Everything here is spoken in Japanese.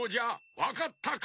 わかったか？